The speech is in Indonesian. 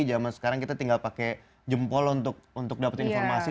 zaman sekarang kita tinggal pakai jempol untuk dapat informasi